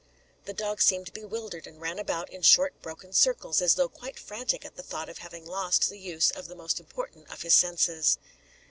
The dog seemed bewildered, and ran about in short broken circles, as though quite frantic at the thought of having lost the use of the most important of his senses.